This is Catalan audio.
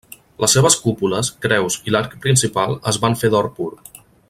Les seves cúpules, creus i l'arc principal es van fer d'or pur.